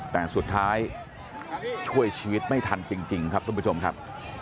แต่สุดท้ายช่วยชีวิตไม่ทันจริงครับทุกผู้ชมครับ